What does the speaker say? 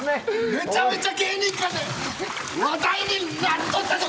めちゃめちゃ芸人間で話題になっとったぞ！